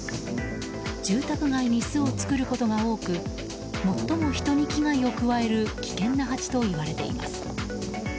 住宅街に巣を作ることが多く最も人に危害を加える危険なハチといわれています。